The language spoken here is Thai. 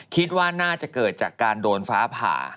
คิดว่าน่าจะเกิดจากการโดนฟ้าผ่า